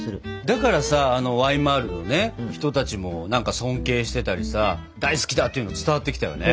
だからさあのワイマールのね人たちも尊敬してたりさ大好きだっていうの伝わってきたよね。